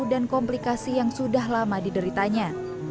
dan komplikasi yang sudah lama dideritanya